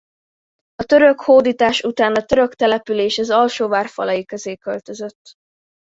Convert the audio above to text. A török hódítás után a török település az alsóvár falai közé költözött.